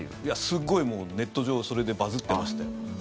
すごいネット上それでバズってましたよ。